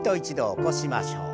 起こしましょう。